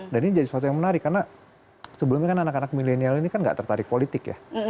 dan ini jadi sesuatu yang menarik karena sebelumnya kan anak anak milenial ini kan nggak tertarik politik ya